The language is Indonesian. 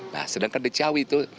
nah sedangkan di ciawi itu